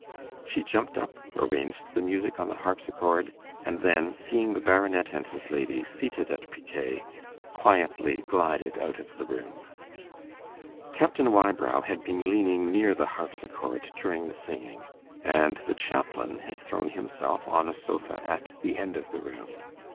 She jumped up, arranged the music on the harpsichord, and then, seeing the Baronet and his lady seated at picquet, quietly glided out of the room. Captain Wybrow had been leaning near the harpsichord during the singing, and the chaplain had thrown himself on a sofa at the end of the room.